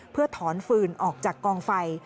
เพื่อถอนฟืนออกจากกองไฟ